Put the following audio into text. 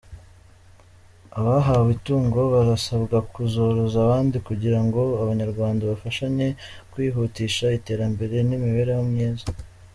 Abahawe itungo barasabwa kuzoroza abandi kugira ngo Abanyarwanda bafashanye kwihutisha iterambere n’imibereho myiza.